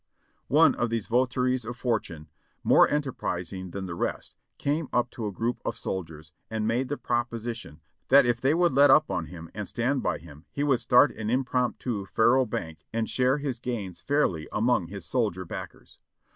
One of these votaries of fortune, more enterprising than the rest, came up to a group of soldiers and made the proposition that if they would let up on him and stand by him he would start an impromptu faro bank and share his gains fairly among his sol dier backers.